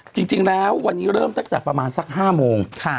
จริงแล้ววันนี้เริ่มตั้งแต่ประมาณสัก๕โมง